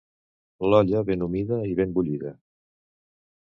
L'olla ben humida i ben bullida.